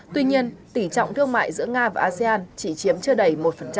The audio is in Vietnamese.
tuy nhiên tỉ trọng thương mại giữa nga và asean chỉ chiếm chưa đầy một